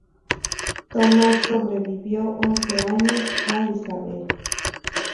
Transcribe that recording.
Thomas sobrevivió once años a Isabel.